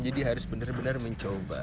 jadi harus benar benar mencoba